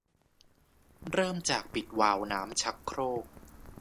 เริ่มจากปิดวาล์วน้ำชักโครก